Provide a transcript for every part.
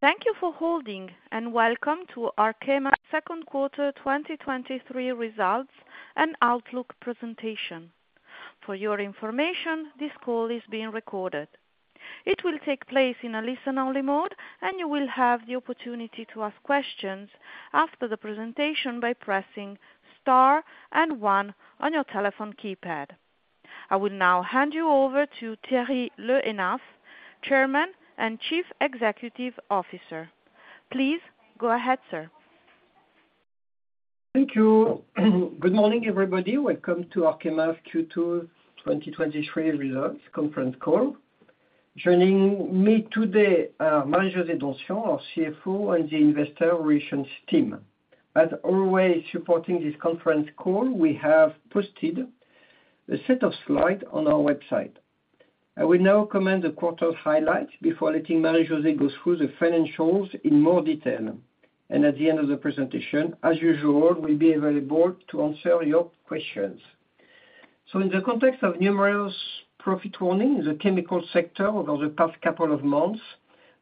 Thank you for holding, and welcome to Arkema Second Quarter 2023 Results and Outlook Presentation. For your information, this call is being recorded. It will take place in a listen-only mode, and you will have the opportunity to ask questions after the presentation by pressing Star and 1 on your telephone keypad. I will now hand you over to Thierry Le Hénaff, Chairman and Chief Executive Officer. Please go ahead, sir. Thank you. Good morning, everybody. Welcome to Arkema's Q2 2023 Results conference call. Joining me today are Marie-José Donsion, our CFO, and the investor relations team. As always, supporting this conference call, we have posted a set of slides on our website. I will now comment the quarter's highlights before letting Marie-José go through the financials in more detail. At the end of the presentation, as usual, we'll be available to answer your questions. In the context of numerous profit warning in the chemical sector over the past couple of months,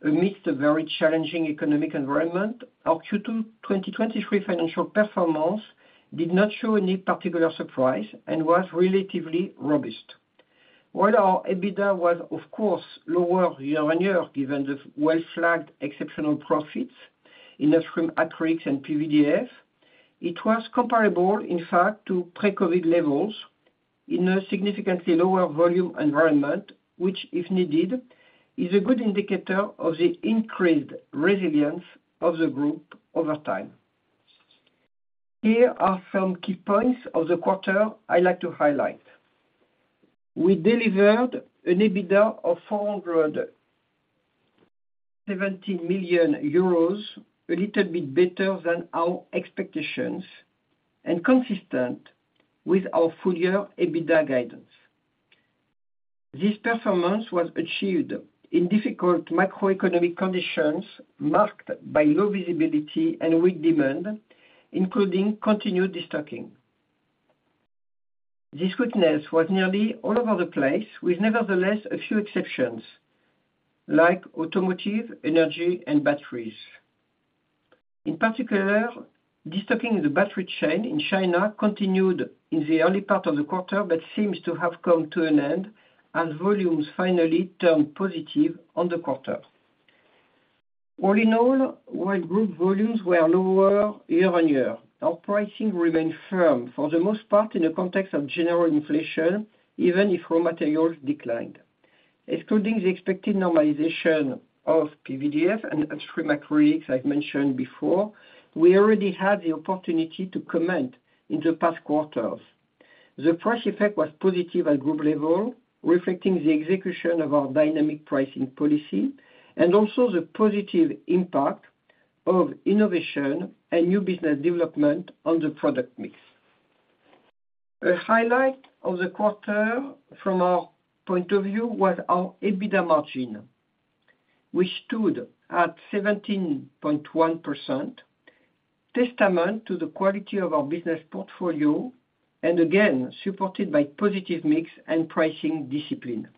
amidst a very challenging economic environment, our Q2 2023 financial performance did not show any particular surprise and was relatively robust. While our EBITDA was, of course, lower year-on-year, given the well-flagged exceptional profits in upstream acrylics and PVDF, it was comparable, in fact, to pre-COVID levels in a significantly lower volume environment, which, if needed, is a good indicator of the increased resilience of the group over time. Here are some key points of the quarter I'd like to highlight. We delivered an EBITDA of 470 million euros, a little bit better than our expectations and consistent with our full-year EBITDA guidance. This performance was achieved in difficult macroeconomic conditions, marked by low visibility and weak demand, including continued destocking. This weakness was nearly all over the place, with nevertheless, a few exceptions, like automotive, energy, and batteries. In particular, destocking in the battery chain in China continued in the early part of the quarter, but seems to have come to an end as volumes finally turned positive on the quarter. All in all, while group volumes were lower year-on-year, our pricing remained firm, for the most part in the context of general inflation, even if raw materials declined. Excluding the expected normalization of PVDF and upstream acrylics, I've mentioned before, we already had the opportunity to comment in the past quarters. The price effect was positive at group level, reflecting the execution of our dynamic pricing policy and also the positive impact of innovation and new business development on the product mix. A highlight of the quarter from our point of view was our EBITDA margin, which stood at 17.1%, testament to the quality of our business portfolio and again, supported by positive mix and pricing discipline.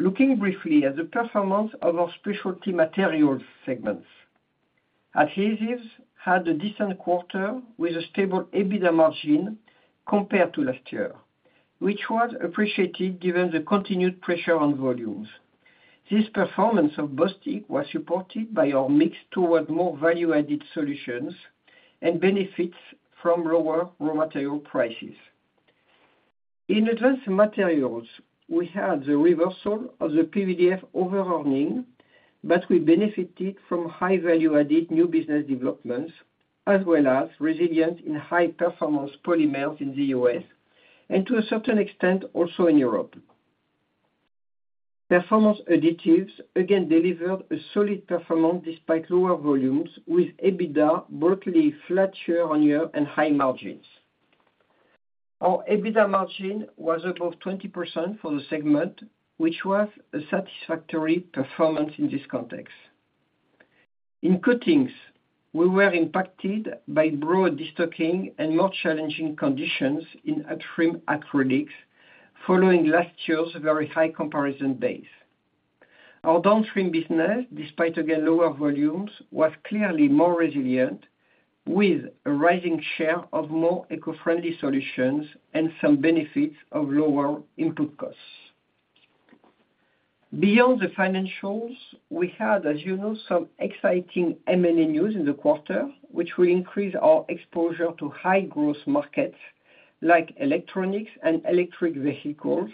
Looking briefly at the performance of our specialty materials segments. Adhesives had a decent quarter with a stable EBITDA margin compared to last year, which was appreciated given the continued pressure on volumes. This performance of Bostik was supported by our mix toward more value-added solutions and benefits from lower raw material prices. In Advanced Materials, we had the reversal of the PVDF over-earning, but we benefited from high value-added new business developments, as well as resilience in High Performance Polymers in the U.S. and to a certain extent, also in Europe. Performance Additives again delivered a solid performance despite lower volumes, with EBITDA broadly flat year-on-year and high margins. Our EBITDA margin was above 20% for the segment, which was a satisfactory performance in this context. In coatings, we were impacted by broad destocking and more challenging conditions in upstream acrylics, following last year's very high comparison base. Our downstream business, despite again, lower volumes, was clearly more resilient, with a rising share of more eco-friendly solutions and some benefits of lower input costs. Beyond the financials, we had, as you know, some exciting M&A news in the quarter, which will increase our exposure to high-growth markets like electronics and electric vehicles,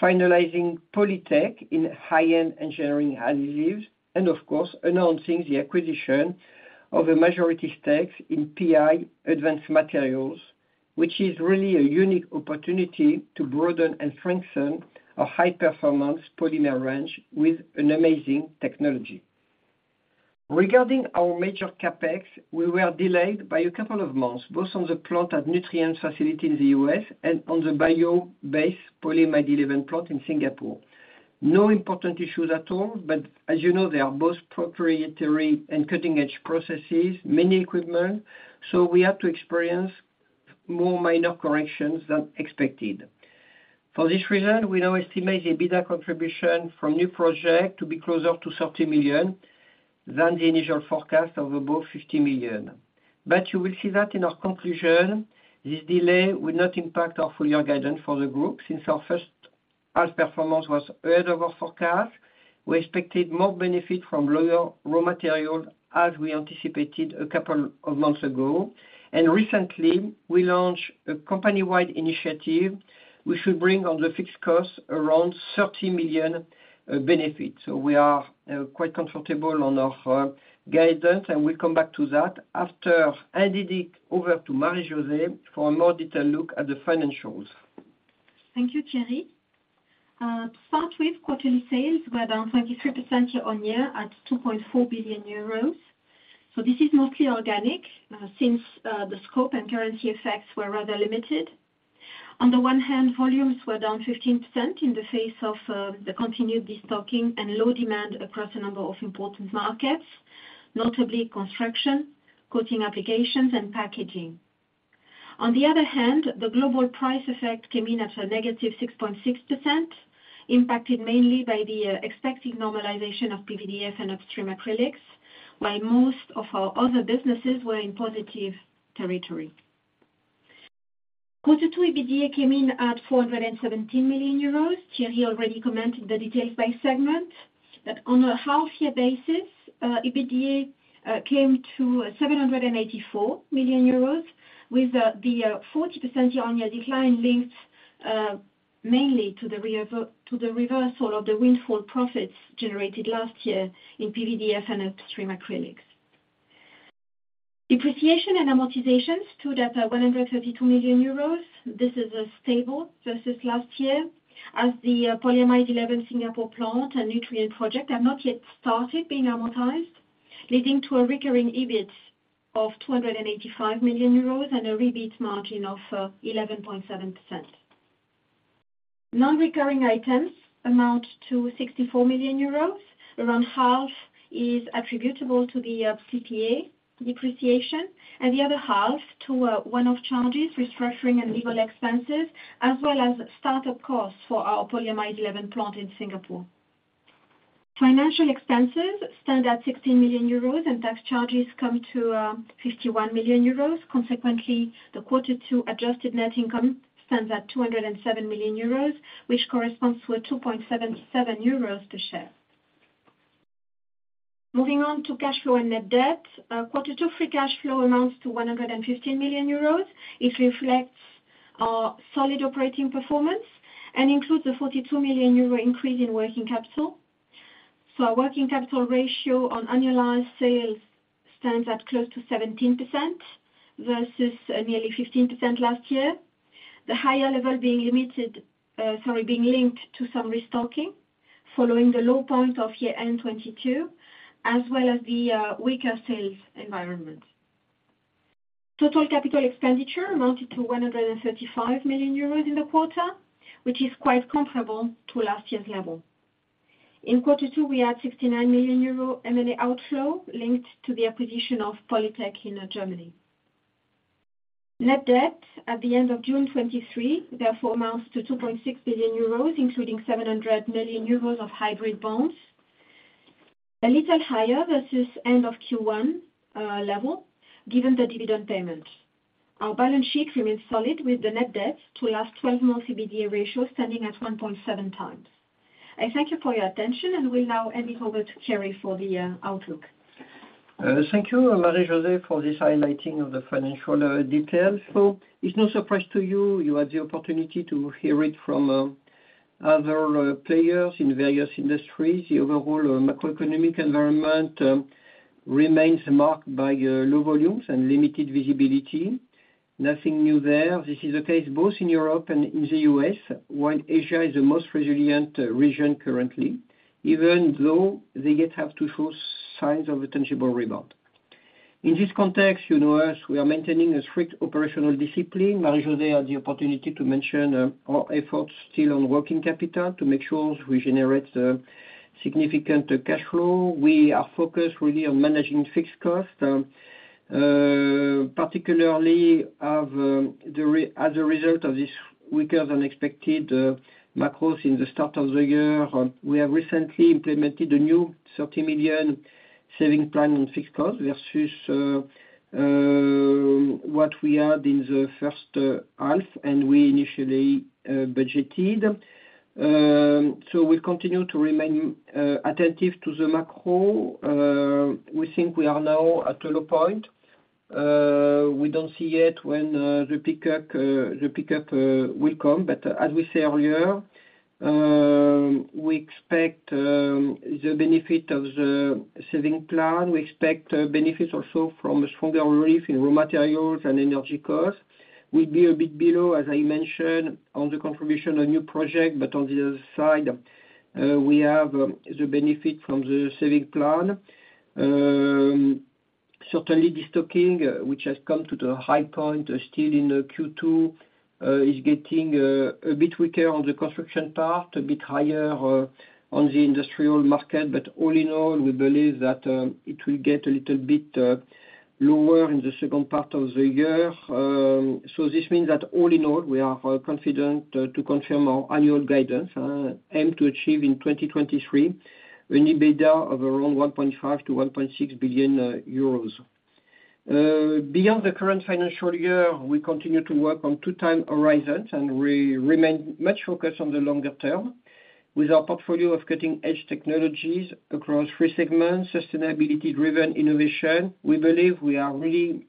finalizing Polytec in high-end engineering adhesives, and of course, announcing the acquisition of a majority stakes in PI Advanced Materials, which is really a unique opportunity to broaden and strengthen our high-performance polymer range with an amazing technology. Regarding our major CapEx, we were delayed by a couple of months, both on the plant at Nutrien facility in the U.S. and on the bio-based polyimide 11 plant in Singapore. No important issues at all, but as you know, they are both proprietary and cutting-edge processes, many equipment, so we had to experience more minor corrections than expected. For this reason, we now estimate the EBITDA contribution from new project to be closer to 30 million than the initial forecast of above 50 million. You will see that in our conclusion, this delay will not impact our full year guidance for the group, since our first half performance was ahead of our forecast. We expected more benefit from lower raw material, as we anticipated a couple of months ago, and recently we launched a company-wide initiative, which should bring on the fixed cost around 30 million benefits. We are quite comfortable on our guidance, and we'll come back to that after I hand it over to Marie-José for a more detailed look at the financials. Thank you, Thierry. To start with, quarterly sales were down 33% year-on-year at 2.4 billion euros. This is mostly organic, since the scope and currency effects were rather limited. On the one hand, volumes were down 15% in the face of the continued destocking and low demand across a number of important markets, notably construction, coating applications, and packaging. On the other hand, the global price effect came in at a negative 6.6%, impacted mainly by the expected normalization of PVDF and upstream acrylics, while most of our other businesses were in positive territory. Quarter 2, EBITDA came in at 417 million euros. Thierry already commented the details by segment, that on a half-year basis, EBITDA came to 784 million euros, with the 40% year-on-year decline linked mainly to the reversal of the windfall profits generated last year in PVDF and upstream acrylics. Depreciation and amortization stood at 132 million euros. This is stable versus last year, as the Polyamide 11 Singapore plant and Nutrien project have not yet started being amortized, leading to a recurring EBIT of 285 million euros and a REBIT margin of 11.7%. Non-recurring items amount to 64 million euros. Around half is attributable to the PPA depreciation, and the other half to one-off charges, restructuring and legal expenses, as well as start-up costs for our Polyamide 11 plant in Singapore. Financial expenses stand at 16 million euros, and tax charges come to 51 million euros. Consequently, the Q2 adjusted net income stands at 207 million euros, which corresponds to 2.77 euros per share. Moving on to cash flow and net debt. Q2 free cash flow amounts to 115 million euros. It reflects our solid operating performance and includes a 42 million euro increase in working capital. Our working capital ratio on annualized sales stands at close to 17% versus nearly 15% last year. The higher level being limited, sorry, being linked to some restocking following the low point of year-end 2022, as well as the weaker sales environment. Total capital expenditure amounted to 135 million euros in the quarter, which is quite comparable to last year's level. In quarter two, we had 69 million euro M&A outflow linked to the acquisition of Polytec in Germany. Net debt at the end of June 2023, therefore, amounts to 2.6 billion euros, including 700 million euros of hybrid bonds, a little higher versus end of Q1 level, given the dividend payment. Our balance sheet remains solid, with the net debt to last 12 months EBITDA ratio standing at 1.7 times. I thank you for your attention and will now hand it over to Thierry for the outlook. Thank you, Marie-José, for this highlighting of the financial details. It's no surprise to you, you had the opportunity to hear it from other players in various industries. The overall macroeconomic environment remains marked by low volumes and limited visibility. Nothing new there. This is the case both in Europe and in the U.S., while Asia is the most resilient region currently, even though they yet have to show signs of a tangible rebound. In this context, you know us, we are maintaining a strict operational discipline. Marie-José had the opportunity to mention our efforts still on working capital to make sure we generate a significant cash flow. We are focused really on managing fixed costs, particularly as a result of this weaker than expected macros in the start of the year. We have recently implemented a new 30 million saving plan on fixed costs versus what we had in the first half, and we initially budgeted. We'll continue to remain attentive to the macro. We think we are now at a low point. We don't see yet when the pickup, the pickup, will come, but as we said earlier, we expect the benefit of the saving plan. We expect benefits also from a stronger relief in raw materials and energy costs. We'll be a bit below, as I mentioned, on the contribution on new project, but on the other side, we have the benefit from the saving plan. certainly, destocking, which has come to the high point still in Q2, is getting a bit weaker on the construction part, a bit higher on the industrial market. All in all, we believe that it will get a little bit lower in the second part of the year. This means that all in all, we are confident to confirm our annual guidance, aim to achieve in 2023 an EBITDA of around 1.5 billion-1.6 billion euros. Beyond the current financial year, we continue to work on two time horizons, and we remain much focused on the longer term. With our portfolio of cutting-edge technologies across three segments, sustainability-driven innovation, we believe we are really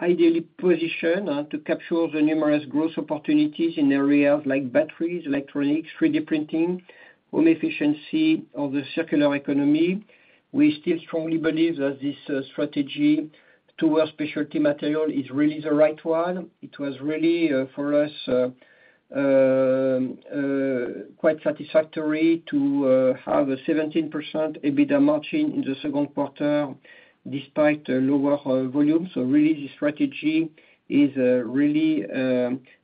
ideally positioned to capture the numerous growth opportunities in areas like batteries, electronics, 3D printing, home efficiency, or the circular economy. We still strongly believe that this strategy towards specialty material is really the right one. It was really for us quite satisfactory to have a 17% EBITDA margin in the second quarter, despite lower volumes. Really, the strategy is really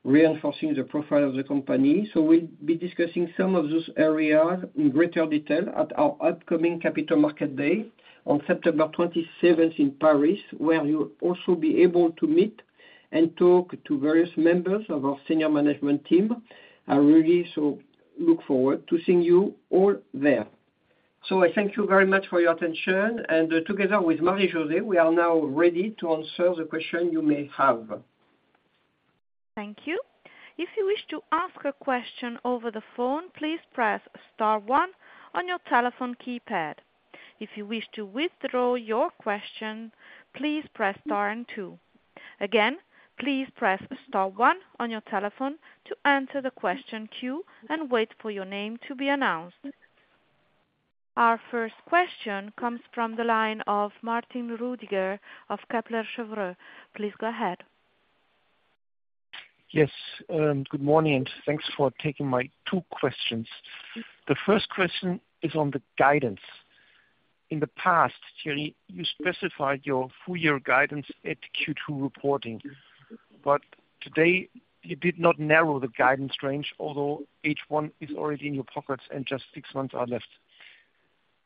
reinforcing the profile of the company. We'll be discussing some of those areas in greater detail at our upcoming Capital Markets Day on September 27 in Paris, where you'll also be able to meet and talk to various members of our senior management team. I really so look forward to seeing you all there. I thank you very much for your attention, and together with Marie-José, we are now ready to answer the questions you may have. Thank you. If you wish to ask a question over the phone, please press star one on your telephone keypad. If you wish to withdraw your question, please press star and two. Again, please press star one on your telephone to enter the question queue and wait for your name to be announced. Our first question comes from the line of Martin Roediger of Kepler Cheuvreux. Please go ahead. Yes, good morning, thanks for taking my 2 questions. The first question is on the guidance. In the past, Thierry, you specified your full year guidance at Q2 reporting, but today you did not narrow the guidance range, although H1 is already in your pockets and just 6 months are left.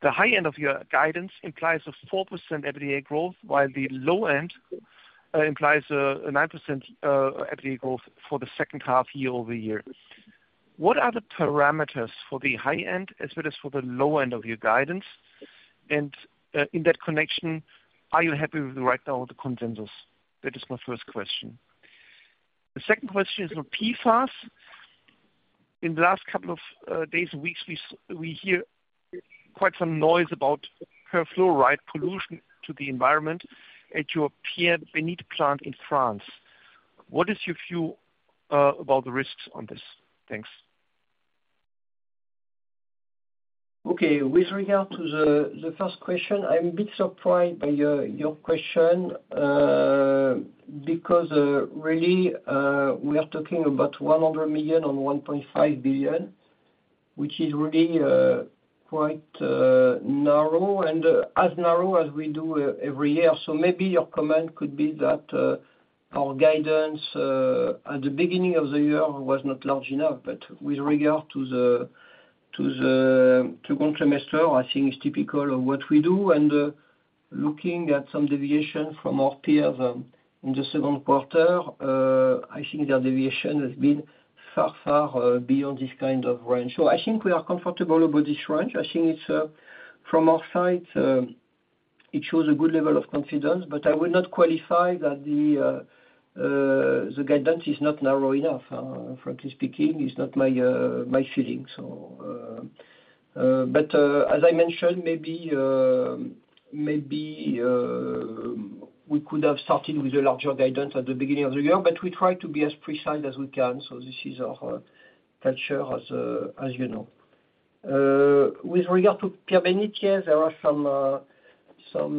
The high end of your guidance implies a 4% EBITDA growth, while the low end implies a 9% EBITDA growth for the second half year-over-year. What are the parameters for the high end as well as for the low end of your guidance? In that connection, are you happy with the right now, the consensus? That is my first question. The second question is on PFAS. In the last couple of days and weeks, we hear quite some noise about PFAS pollution to the environment at your Pierre-Bénite plant in France. What is your view about the risks on this? Thanks. Okay. With regard to the first question, I'm a bit surprised by your question, because really, we are talking about 100 million on 1.5 billion, which is really quite narrow and as narrow as we do every year. Maybe your comment could be that our guidance at the beginning of the year was not large enough. With regard to the second trimester, I think it's typical of what we do. Looking at some deviation from our peers, in the second quarter, I think the deviation has been far, far beyond this kind of range. I think we are comfortable about this range. I think it's from our side, it shows a good level of confidence. I would not qualify that the guidance is not narrow enough, frankly speaking, it's not my feeling. As I mentioned, maybe, maybe, we could have started with a larger guidance at the beginning of the year, but we try to be as precise as we can, so this is our culture as you know. With regard to Pierre-Benite, there are some, some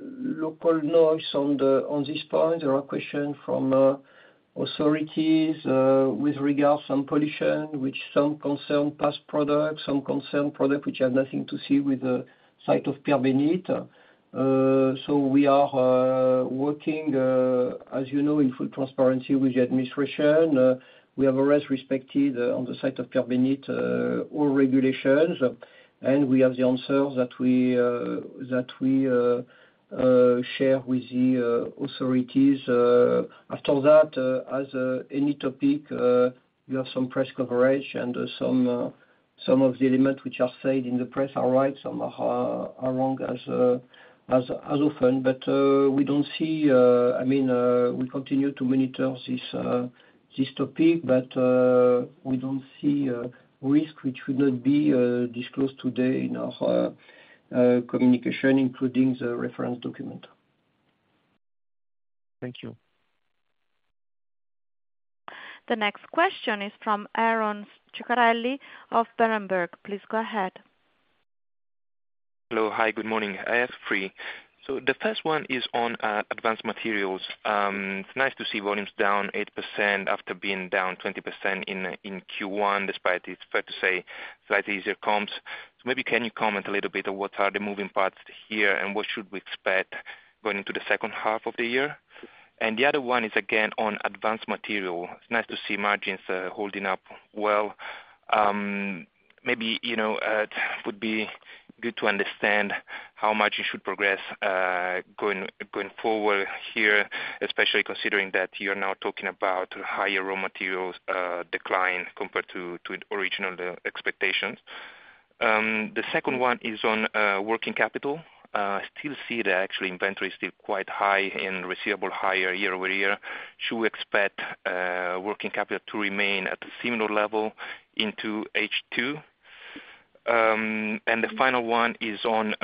local noise on the, on this point. There are questions from authorities, with regards some pollution, which some concern past products, some concern product which have nothing to see with the site of Pierre-Benite. We are working, as you know, in full transparency with the administration. We have always respected on the site of Pierre-Benite all regulations, and we have the answers that we that we share with the authorities. After that, as any topic, you have some press coverage and some some of the elements which are said in the press are right, some are are are wrong, as as as often. But we don't see... I mean, we continue to monitor this this topic, but we don't see a risk which would not be disclosed today in our communication including the reference document. Thank you. The next question is from Aron Ceccarelli of Berenberg. Please go ahead. Hello. Hi, good morning. I have three. The first one is on Advanced Materials. It's nice to see volumes down 8% after being down 20% in Q1, despite, it's fair to say, slightly easier comps. Maybe can you comment a little bit on what are the moving parts here, and what should we expect going into the second half of the year? The other one is, again, on Advanced Materials. It's nice to see margins holding up well. Maybe, you know, it would be good to understand how much you should progress going forward here, especially considering that you're now talking about higher raw materials decline compared to original expectations. The second one is on working capital. I still see that actually inventory is still quite high and receivable higher year-over-year. Should we expect working capital to remain at a similar level into H2? The final one is on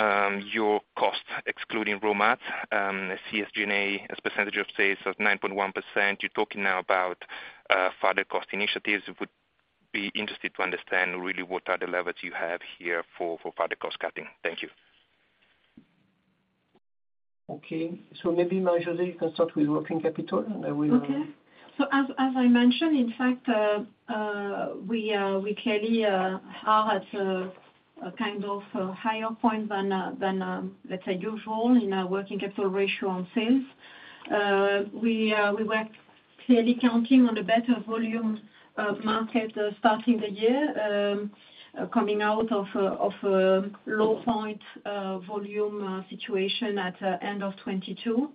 your cost, excluding raw mat. I see SG&A as % of sales of 9.1%. You're talking now about further cost initiatives. Would be interested to understand really what are the levers you have here for further cost cutting. Thank you. Okay. Maybe Marie-José, you can start with working capital, and I will. Okay. As, as I mentioned, in fact, we, we clearly are at a, a kind of a higher point than, than, let's say, usual in our working capital ratio on sales. We, we were clearly counting on a better volume, market, starting the year, coming out of a, of a low point, volume, situation at the end of 2022.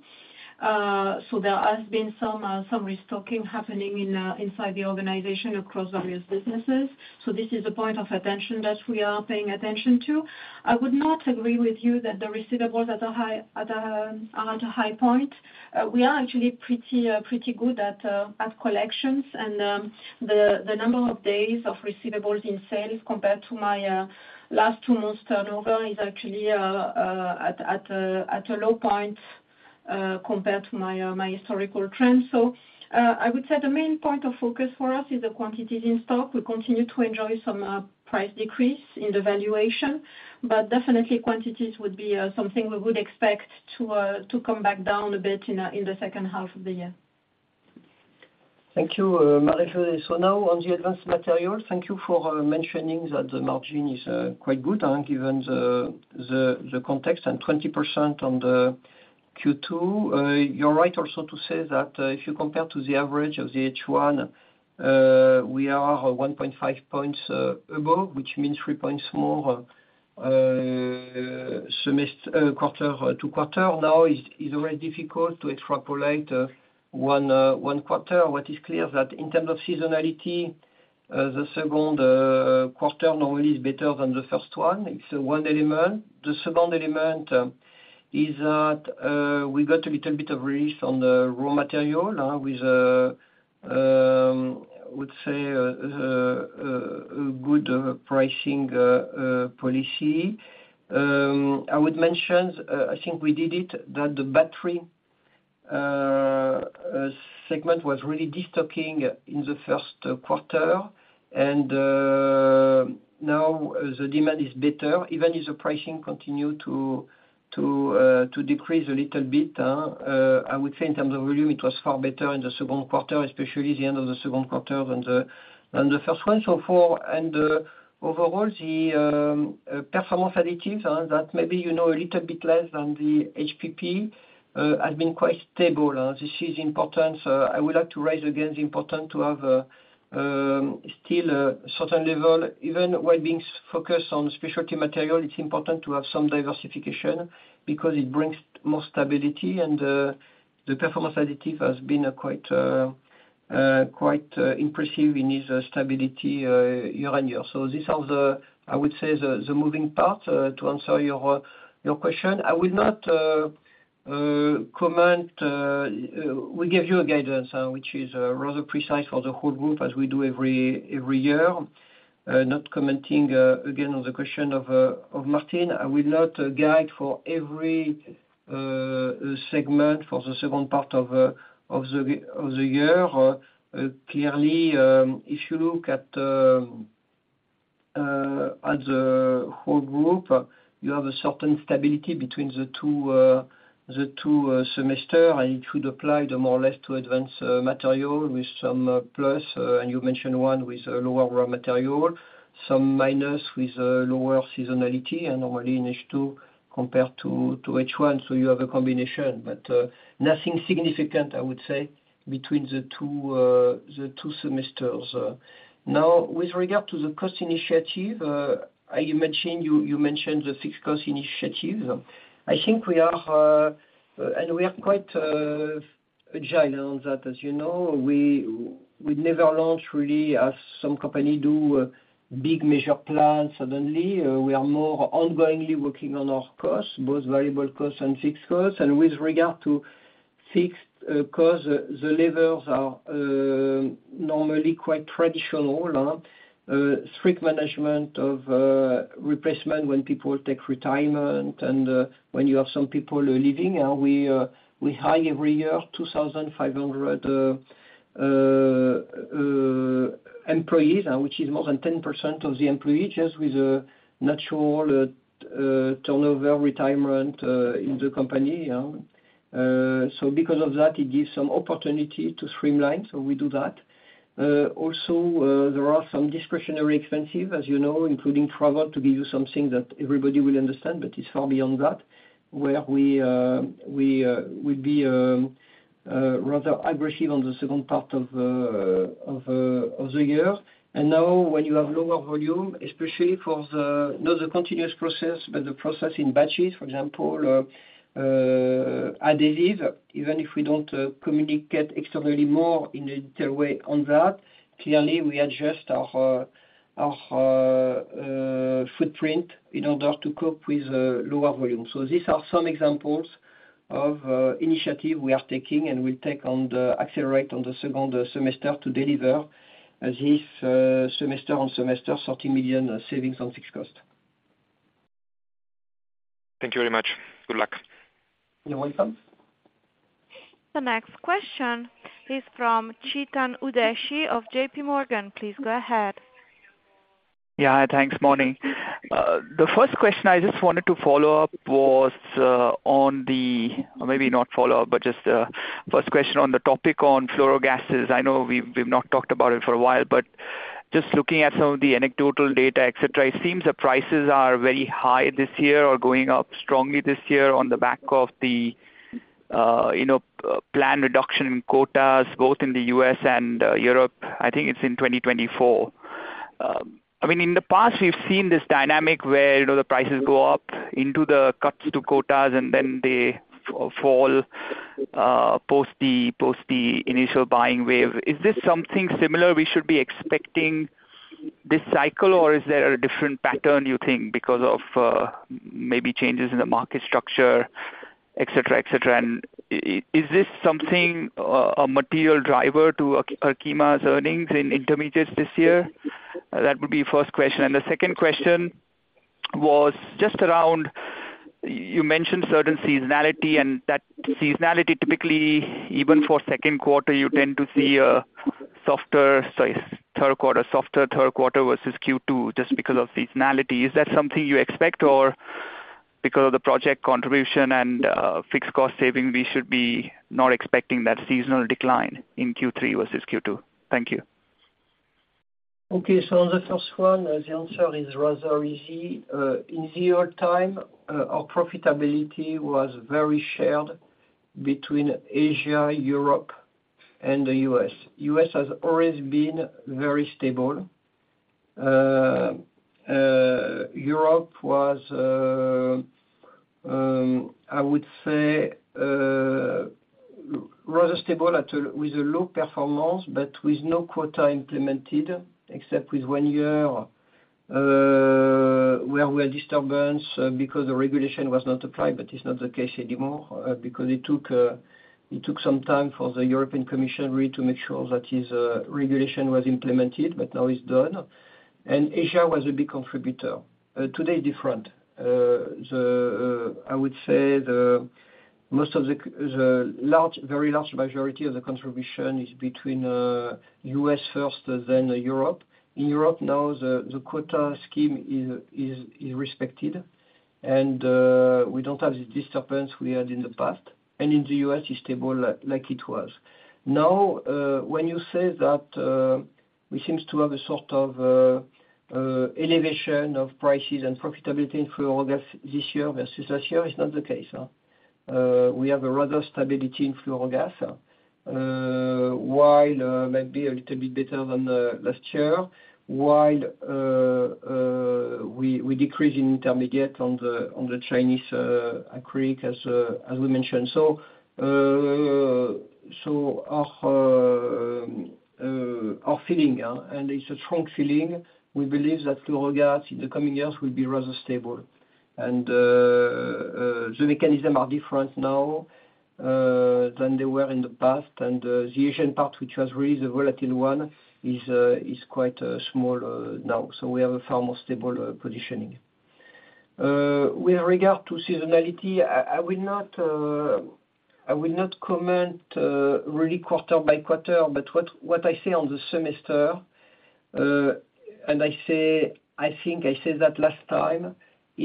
There has been some, some restocking happening in, inside the organization across various businesses. This is a point of attention that we are paying attention to. I would not agree with you that the receivables are at a high, at a, are at a high point. We are actually pretty, pretty good at, at collections, and, the number of days of receivables in sales compared to my, last two months turnover is actually, at a low point, compared to my historical trend. I would say the main point of focus for us is the quantities in stock. We continue to enjoy some, price decrease in the valuation, but definitely quantities would be, something we would expect to come back down a bit in the second half of the year. Thank you, Marie-José. Now, on the Advanced Materials, thank you for mentioning that the margin is quite good, given the, the, the context, 20% on the Q2. You're right also to say that, if you compare to the average of the H1, we are 1.5 points above, which means 3 points more, semester, quarter to quarter. Now, it's very difficult to extrapolate 1 quarter. What is clear is that in terms of seasonality, the 2nd quarter normally is better than the 1st one. It's 1 element. The 2nd element is that we got a little bit of release on the raw material, with, I would say, a good pricing policy. I would mention, I think we did it, that the battery segment was really de-stocking in the first quarter. Now the demand is better, even if the pricing continue to, to decrease a little bit, I would say in terms of volume, it was far better in the second quarter, especially the end of the second quarter than the, than the first one. Overall, the Performance Additives, that maybe, you know, a little bit less than the HPP, has been quite stable, this is important. I would like to raise again the important to have a, still a certain level. Even while being focused on specialty material, it's important to have some diversification because it brings more stability, and the performance additive has been a quite, quite impressive in its stability year on year. These are the, I would say, the, the moving parts to answer your question. I would not comment. We gave you a guidance which is rather precise for the whole group, as we do every, every year. Not commenting again on the question of Martin. I will not guide for every segment for the second part of the year. Clearly, if you look at the whole group, you have a certain stability between the 2 semesters. It should apply more or less to Advanced Materials with some plus. You mentioned 1 with a lower raw material, some minus with a lower seasonality and normally in H2 compared to H1. You have a combination, but nothing significant, I would say, between the 2 semesters. Now, with regard to the cost initiative, I imagine you mentioned the fixed cost initiative. I think we are, and we are quite agile on that. As you know, we never launch really, as some company do, big measure plans suddenly. We are more ongoingly working on our costs, both variable costs and fixed costs. With regard to fixed costs, the levels are normally quite traditional, strict management of replacement when people take retirement and when you have some people leaving. We hire every year 2,500 employees, which is more than 10% of the employees, just with a natural turnover retirement in the company. Because of that, it gives some opportunity to streamline, so we do that. Also, there are some discretionary expenses, as you know, including travel, to give you something that everybody will understand, but it's far beyond that, where we will be rather aggressive on the second part of the year. Now, when you have lower volume, especially for the, not the continuous process, but the process in batches, for example, adhesive, even if we don't communicate externally more in a detail way on that, clearly we adjust our footprint in order to cope with lower volume. These are some examples of initiative we are taking, and we take on the accelerate on the second semester to deliver this semester on semester, 30 million savings on fixed cost. Thank you very much. Good luck. You're welcome. The next question is from Chetan Udeshi of JPMorgan. Please go ahead. Yeah, thanks, morning. The first question I just wanted to follow up was, maybe not follow up, but just first question on the topic on fluorogases. I know we've not talked about it for a while, but just looking at some of the anecdotal data, et cetera, it seems the prices are very high this year or going up strongly this year on the back of the, you know, plan reduction in quotas, both in the U.S. and Europe. I think it's in 2024. I mean, in the past, we've seen this dynamic where, you know, the prices go up into the cuts to quotas, and then they fall post the initial buying wave. Is this something similar we should be expecting this cycle, or is there a different pattern, you think, because of maybe changes in the market structure, et cetera, et cetera? Is this something a material driver to Arkema's earnings in intermediates this year? That would be first question. The second question was just around, you mentioned certain seasonality, and that seasonality typically, even for second quarter, you tend to see a softer, sorry, third quarter, softer third quarter versus Q2, just because of seasonality. Is that something you expect, or because of the project contribution and fixed cost saving, we should be not expecting that seasonal decline in Q3 versus Q2? Thank you. Okay, the first one, the answer is rather easy. In the old time, our profitability was very shared between Asia, Europe, and the U.S. U.S. has always been very stable. Europe was, I would say, rather stable at a, with a low performance, with no quota implemented, except with one year, where we are disturbance because the regulation was not applied, it's not the case anymore, because it took some time for the European Commission really to make sure that this regulation was implemented, now it's done. Asia was a big contributor. Today, different. I would say the most of the large, very large majority of the contribution is between U.S. first, then Europe. In Europe now, the, the quota scheme is, is, is respected, and we don't have the disturbance we had in the past. In the U.S., it's stable like it was. Now, when you say that, we seems to have a sort of elevation of prices and profitability in fluorogas this year versus last year, it's not the case. We have a rather stability in fluorogas, while maybe a little bit better than the last year, while we, we decrease in intermediate on the, on the Chinese acrylic, as we mentioned. Our feeling, and it's a strong feeling, we believe that fluorogas in the coming years will be rather stable. The mechanism are different now than they were in the past, and the Asian part, which was really the volatile one, is quite small now. We have a far more stable positioning. With regard to seasonality, I, I will not, I will not comment really quarter by quarter, but what, what I say on the semester, and I say, I think I said that last time,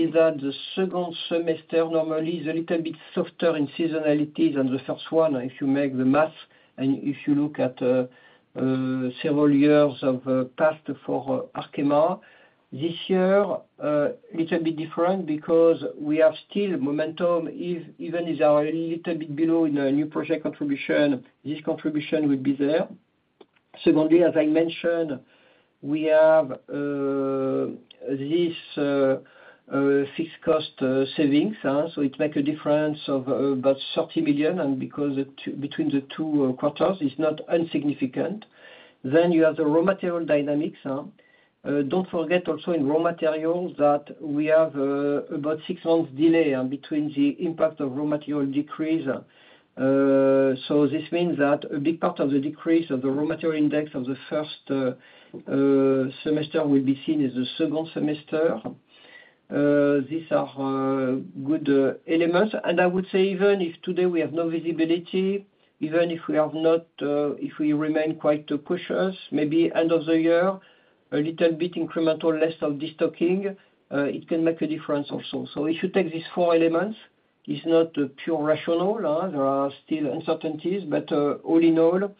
is that the second semester normally is a little bit softer in seasonality than the first one, if you make the math, and if you look at several years of past for Arkema. This year, little bit different because we have still momentum, even if they are a little bit below in the new project contribution, this contribution will be there. Secondly, as I mentioned, we have this fixed cost savings, so it make a difference of about 30 million, and because the two, between the two quarters, it's not insignificant. You have the raw material dynamics. Don't forget also in raw materials that we have about 6 months delay between the impact of raw material decrease. This means that a big part of the decrease of the raw material index of the first semester will be seen as the second semester. These are good elements. I would say even if today we have no visibility, even if we have not, if we remain quite cautious, maybe end of the year a little bit incremental, less of destocking, it can make a difference also. If you take these four elements, it's not a pure rational, there are still uncertainties, but all in all,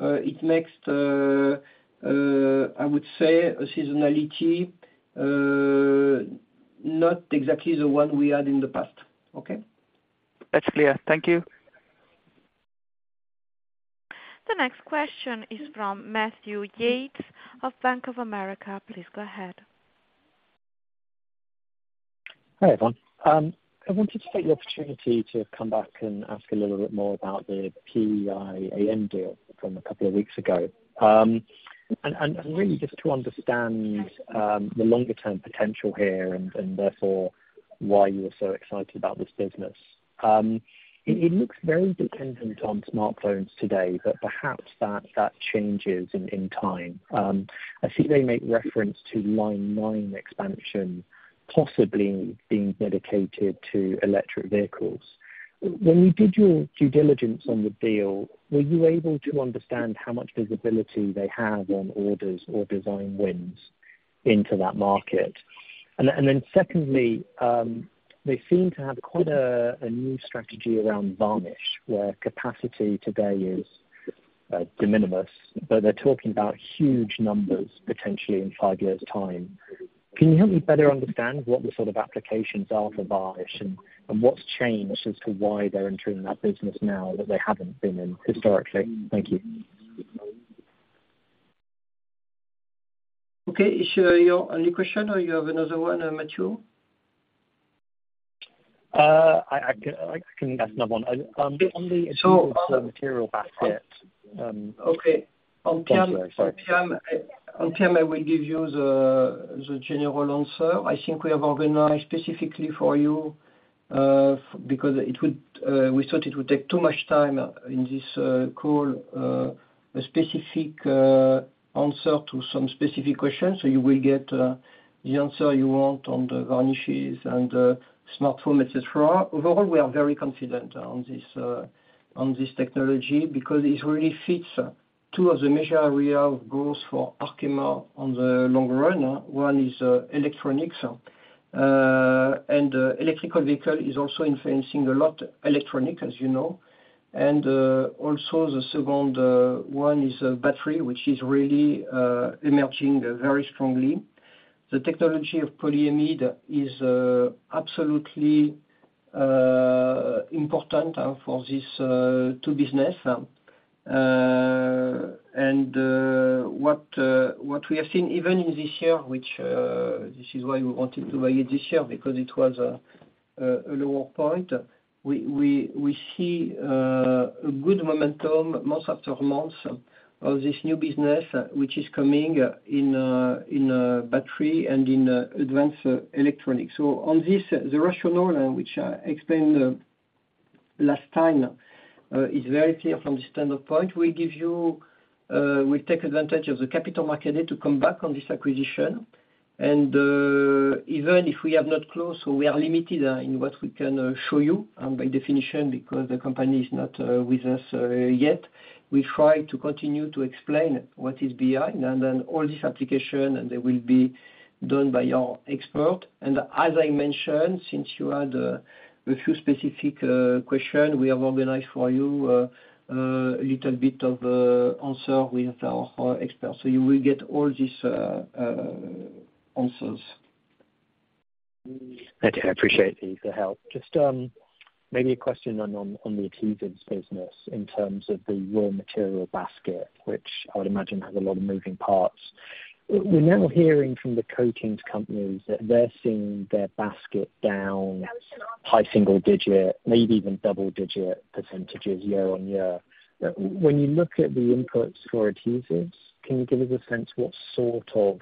it makes, I would say, a seasonality, not exactly the one we had in the past. Okay? That's clear. Thank you. The next question is from Matthew Yates of Bank of America. Please go ahead. Hi, everyone. I wanted to take the opportunity to come back and ask a little bit more about the PIAM deal from a couple of weeks ago. Really just to understand, the longer term potential here, and, and therefore, why you are so excited about this business. It, it looks very dependent on smartphones today, but perhaps that, that changes in, in time. I see they make reference to Line 9 expansion, possibly being dedicated to electric vehicles. When you did your due diligence on the deal, were you able to understand how much visibility they have on orders or design wins into that market? Secondly, they seem to have quite a, a new strategy around varnish, where capacity today is de minimis, but they're talking about huge numbers potentially in 5 years' time. Can you help me better understand what the sort of applications are for varnish, and what's changed as to why they're entering that business now that they haven't been in historically? Thank you. Okay. Is your, your only question, or you have another one, Matthew? I, I can, I can ask another one. So, um- Material basket. Okay. On time, on time, on time, I will give you the, the general answer. I think we have organized specifically for you, because it would, we thought it would take too much time in this call, a specific answer to some specific questions. You will get the answer you want on the varnishes and smartphone, et cetera. Overall, we are very confident on this on this technology, because it really fits two of the major area of goals for Arkema on the long run. One is electronics, and electrical vehicle is also influencing a lot electronic, as you know. Also the second one is battery, which is really emerging very strongly. The technology of polyamide is absolutely important for this two business. What we have seen even in this year, which this is why we wanted to buy it this year, because it was a lower point. We see a good momentum month after month of this new business, which is coming in battery and in advanced electronics. On this, the rationale, which I explained last time, is very clear from the standpoint. We give you, we take advantage of the capital market to come back on this acquisition. Even if we have not closed, we are limited in what we can show you, by definition, because the company is not with us yet. We try to continue to explain what is PI, and then all this application, and they will be done by our expert. As I mentioned, since you had a, a few specific, question, we have organized for you, a little bit of, answer with our experts. You will get all these, answers. Thank you. I appreciate the help. Just maybe a question on the adhesives business in terms of the raw material basket, which I would imagine has a lot of moving parts. We're now hearing from the coatings companies that they're seeing their basket down high single-digit, maybe even double-digit % year-over-year. When you look at the inputs for adhesives, can you give us a sense what sort of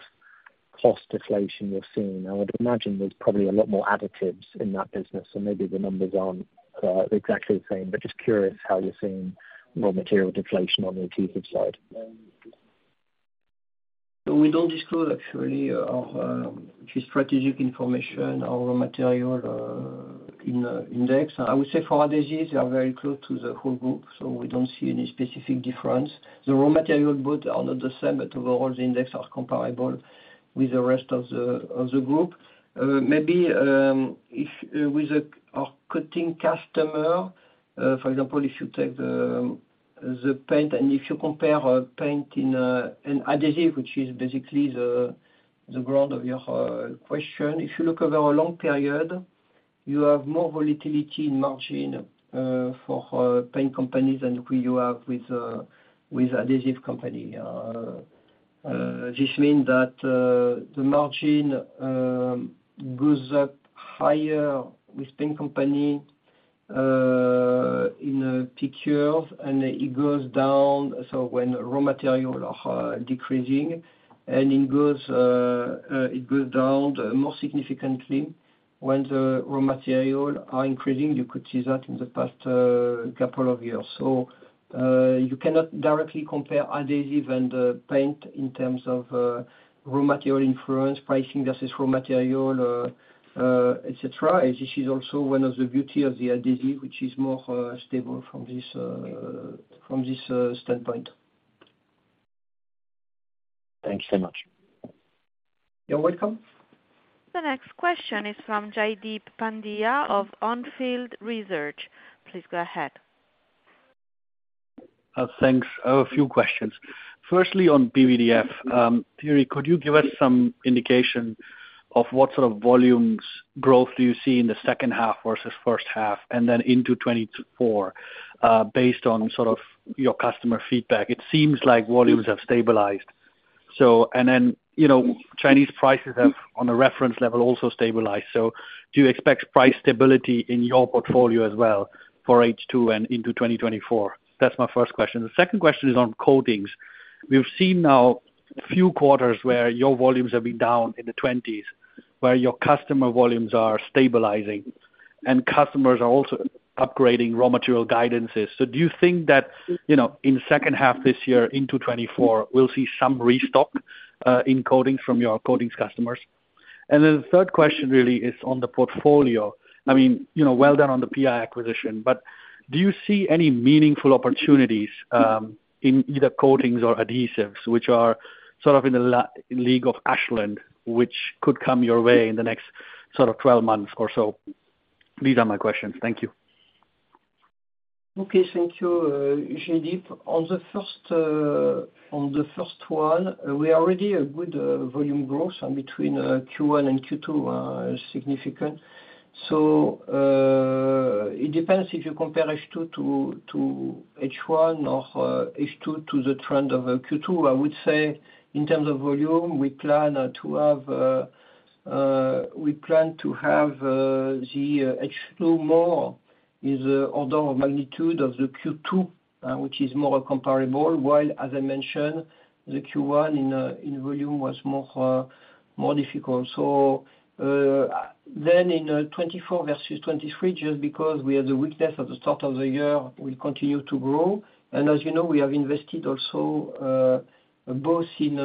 cost deflation you're seeing? I would imagine there's probably a lot more additives in that business, so maybe the numbers aren't exactly the same, but just curious how you're seeing raw material deflation on the adhesive side. We don't disclose actually our strategic information, our raw material in index. I would say for adhesives, they are very close to the whole group. We don't see any specific difference. The raw material both are not the same, overall the index are comparable with the rest of the group. Maybe if with a, our cutting customer, for example, if you take the paint, if you compare a paint in an adhesive, which is basically the ground of your question. If you look over a long period, you have more volatility in margin for paint companies than you have with adhesive company. This means that the margin goes up higher with paint company in peak years, and it goes down when raw material are decreasing, and it goes down more significantly when the raw material are increasing. You could see that in the past couple of years. You cannot directly compare adhesive and paint in terms of raw material influence, pricing versus raw material, et cetera. This is also one of the beauty of the adhesive, which is more stable from this, from this standpoint. Thank you so much. You're welcome. The next question is from Jaideep Pandya of On Field Research. Please go ahead. Thanks. I have a few questions. Firstly, on PVDF, Thierry, could you give us some indication of what sort of volumes growth do you see in the second half versus first half, and then into 2024, based on sort of your customer feedback? It seems like volumes have stabilized. You know, Chinese prices have, on a reference level, also stabilized. Do you expect price stability in your portfolio as well for H2 and into 2024? That's my first question. The second question is on coatings. We've seen now a few quarters where your volumes have been down in the twenties, where your customer volumes are stabilizing, and customers are also upgrading raw material guidances. Do you think that, you know, in the second half this year into 2024, we'll see some restock in coatings from your coatings customers? Then the third question really is on the portfolio. I mean, you know, well done on the PI acquisition, but do you see any meaningful opportunities in either coatings or adhesives, which are sort of in the league of Ashland, which could come your way in the next sort of 12 months or so? These are my questions. Thank you. Okay. Thank you, Jaideep. On the first, on the first one, we are already a good volume growth and between Q1 and Q2 are significant. It depends if you compare H2 to H1 or H2 to the trend of Q2. I would say, in terms of volume, we plan to have, we plan to have the H2 more is order of magnitude of the Q2, which is more comparable, while, as I mentioned, the Q1 in volume was more difficult. In 2024 versus 2023, just because we have the weakness at the start of the year, we continue to grow. As you know, we have invested also, both in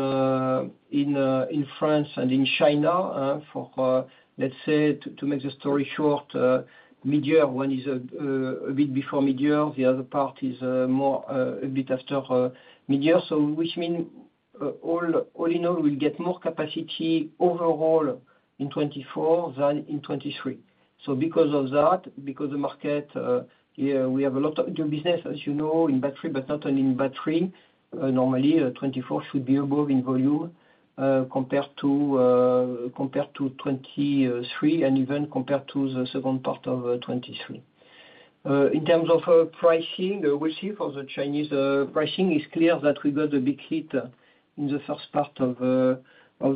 France and in China, for, let's say, to make the story short, midyear. One is a bit before midyear, the other part is more a bit after midyear. Which mean, all in all, we'll get more capacity overall in 2024 than in 2023. Because of that, because the market, we have a lot of new business, as you know, in battery, but not only in battery. Normally, 2024 should be above in volume, compared to 2023, and even compared to the second part of 2023. In terms of pricing, we see for the Chinese pricing, it's clear that we got a big hit in the first part of the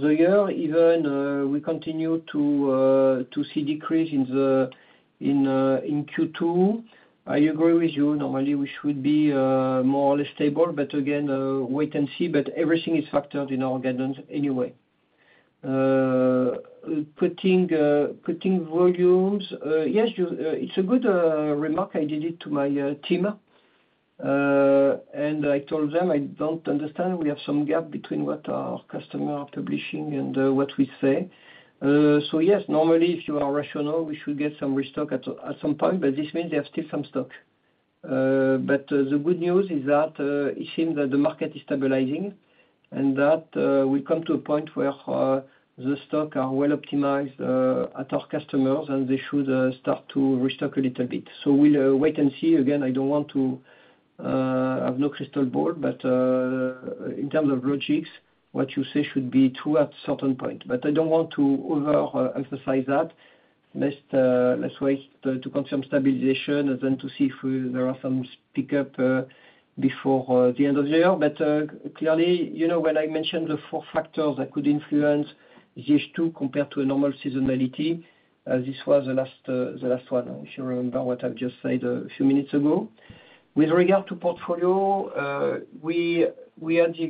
year. We continue to see decrease in the, in Q2. I agree with you. Normally we should be more or less stable, but again, wait and see, but everything is factored in our guidance anyway. Putting volumes, yes, you, it's a good remark. I did it to my team. I told them, I don't understand, we have some gap between what our customer are publishing and what we say. Yes, normally, if you are rational, we should get some restock at some point, but this means they have still some stock. The good news is that it seems that the market is stabilizing, and that we come to a point where the stock are well optimized at our customers, and they should start to restock a little bit. We'll wait and see. Again, I don't want to have no crystal ball, but in terms of logistics, what you say should be true at certain point. I don't want to over emphasize that. Let's let's wait to confirm stabilization and then to see if there are some pick up before the end of the year. Clearly, you know, when I mentioned the four factors that could influence this 2 compared to a normal seasonality, this was the last, the last one, if you remember what I just said a few minutes ago. With regard to portfolio, we, we had the acquisition of, we had the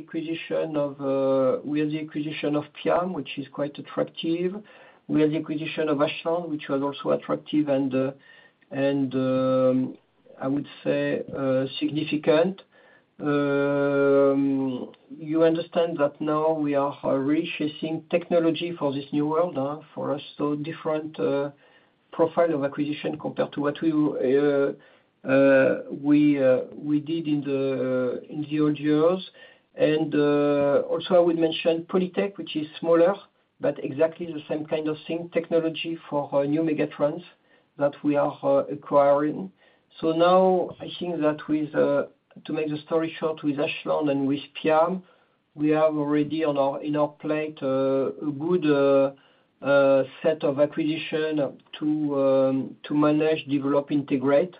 acquisition of PIAM, which is quite attractive. We had the acquisition of Ashland, which was also attractive and, and, I would say, significant. You understand that now we are re-chasing technology for this new world, for us, so different profile of acquisition compared to what we, we, we did in the, in the old years. Also I would mention Polytec, which is smaller, but exactly the same kind of thing, technology for our new megatrends that we are acquiring. Now I think that with, to make the story short, with Ashland and with PIAM, we have already on our, in our plate, a good, set of acquisition to manage, develop, integrate.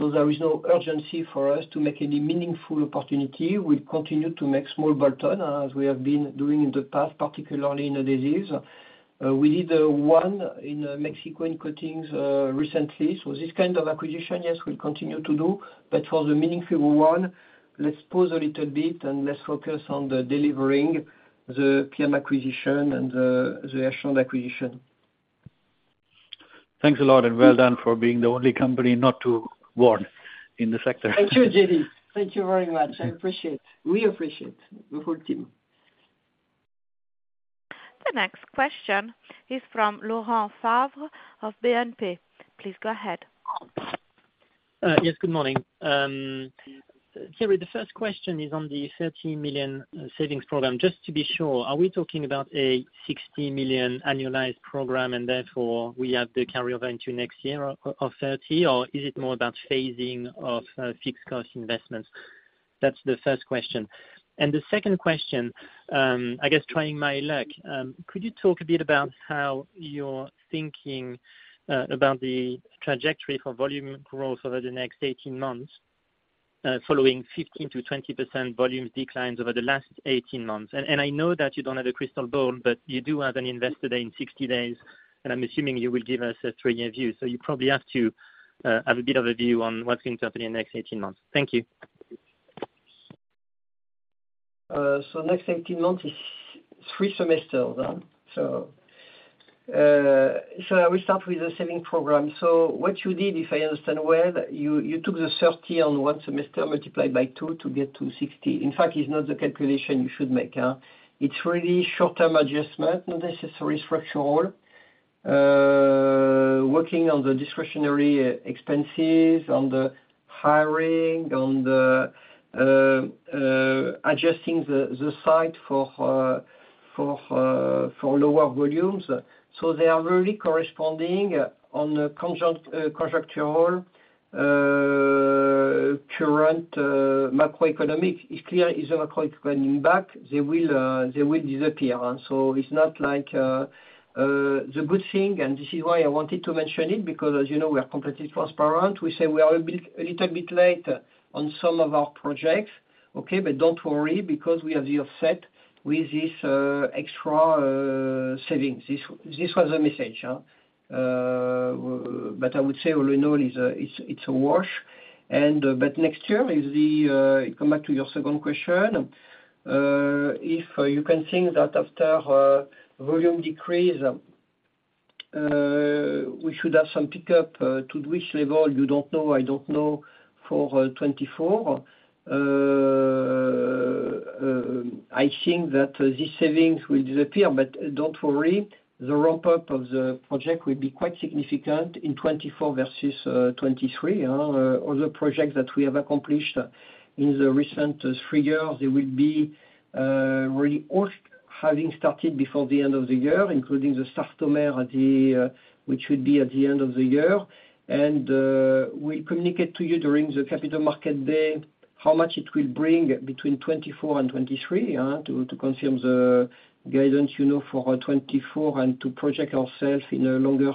There is no urgency for us to make any meaningful opportunity. We continue to make small bolt-on, as we have been doing in the past, particularly in adhesives. We did one in Mexico in coatings recently. This kind of acquisition, yes, we'll continue to do, but for the meaningful one, let's pause a little bit and let's focus on the delivering the PIAM acquisition and the, the Ashland acquisition. Thanks a lot. Well done for being the only company not to warn in the sector. Thank you, Jaideep. Thank you very much. I appreciate. We appreciate, the whole team. The next question is from Laurent Favre of BNP. Please go ahead. Yes, good morning. Thierry, the first question is on the 30 million savings program. Just to be sure, are we talking about a 60 million annualized program, and therefore we have the carryover into next year of 30? Or is it more about phasing of fixed cost investments? That's the first question. The second question, I guess, trying my luck, could you talk a bit about how you're thinking about the trajectory for volume growth over the next 18 months, following 15%-20% volume declines over the last 18 months? I know that you don't have a crystal ball, but you do have an investor day in 60 days, and I'm assuming you will give us a 3-year view. You probably have to have a bit of a view on what's going to happen in the next 18 months. Thank you. Next 18 months is 3 semesters, huh? I will start with the saving program. What you did, if I understand well, you, you took the 30 on 1 semester multiplied by 2 to get to 60. In fact, it's not the calculation you should make. It's really short-term adjustment, not necessarily structural. Working on the discretionary expenses, on the hiring, on the adjusting the site for lower volumes. They are really corresponding on a conjunct contractual current macroeconomic. It's clear is economic coming back, they will disappear. It's not like the good thing, and this is why I wanted to mention it, because, as you know, we are completely transparent. We say we are a bit, a little bit late on some of our projects, okay? Don't worry, because we have the offset with this extra savings. This, this was the message. I would say all in all, it's a, it's, it's a wash. Next year is the come back to your second question. If you can think that after volume decrease, we should have some pickup, to which level you don't know, I don't know, for 2024. I think that these savings will disappear, but don't worry, the ramp up of the project will be quite significant in 2024 versus 2023. All the projects that we have accomplished in the recent three years, they will be really all having started before the end of the year, including the Sartomer at the, which would be at the end of the year. We'll communicate to you during the Capital Market Day, how much it will bring between 2024 and 2023, to confirm the guidance you know for 2024 and to project ourselves in a longer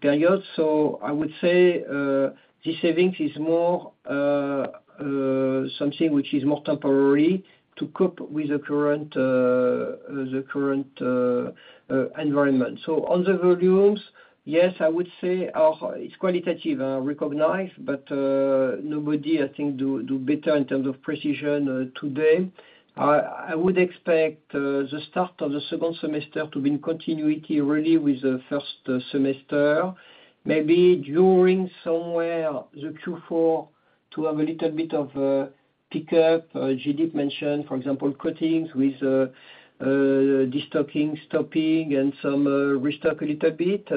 period. I would say, this savings is more something which is more temporary to cope with the current, the current environment. On the volumes, yes, I would say, it's qualitative, recognized, but nobody, I think, do, do better in terms of precision today. I, I would expect the start of the 2nd semester to be in continuity really with the 1st semester. Maybe during somewhere the Q4 to have a little bit of pickup. JD mentioned, for example, coatings with destocking, stopping and some restock a little bit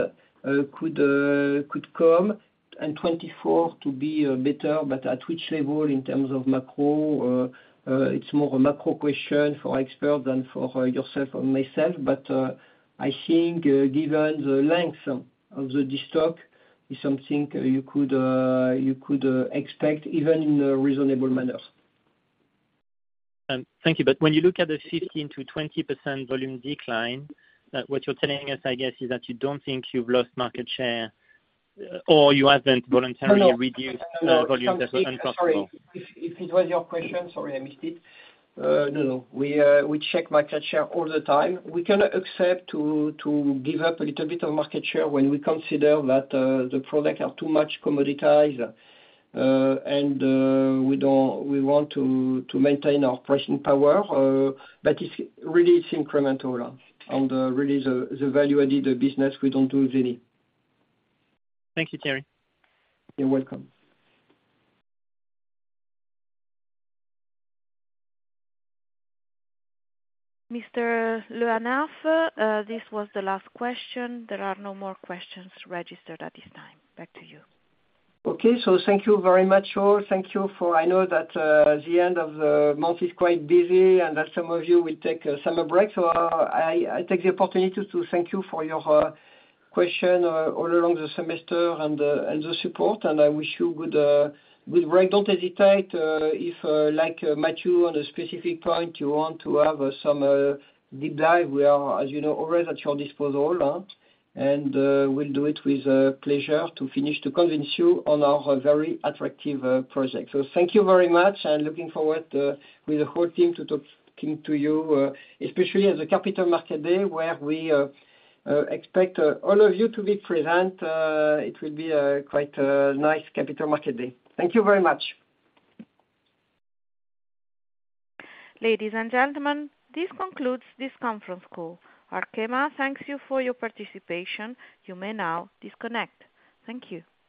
could come, and 2024 to be better. At which level, in terms of macro, it's more a macro question for expert than for yourself or myself. I think, given the length of the destock, is something you could you could expect even in a reasonable manner. Thank you. When you look at the 15%-20% volume decline, what you're telling us, I guess, is that you don't think you've lost market share, or you haven't voluntarily- No, no. reduced volume that was uncomfortable? Sorry, if, if it was your question, sorry, I missed it. No, no. We, we check market share all the time. We cannot accept to, to give up a little bit of market share when we consider that, the products are too much commoditized. We want to, to maintain our pricing power, but it's really, it's incremental, and really the, the value-added business, we don't do very much. Thank you, Thierry. You're welcome. Mr. Le Hénaff, this was the last question. There are no more questions registered at this time. Back to you. Okay, thank you very much all. Thank you for. I know that the end of the month is quite busy, and that some of you will take a summer break. I, I take the opportunity to thank you for your question all along the semester and and the support, and I wish you good, good break. Don't hesitate if, like Matthew, on a specific point, you want to have some deep dive, we are, as you know, always at your disposal. We'll do it with pleasure to finish, to convince you on our very attractive project. Thank you very much, and looking forward with the whole team to talking to you, especially at the Capital Markets Day, where we expect all of you to be present. It will be a quite nice Capital Markets Day. Thank you very much. Ladies and gentlemen, this concludes this conference call. Arkema thanks you for your participation. You may now disconnect. Thank you.